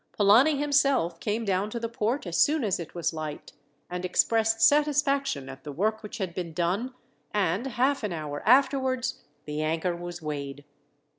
Polani himself came down to the port as soon as it was light, and expressed satisfaction at the work which had been done; and half an hour afterwards the anchor was weighed.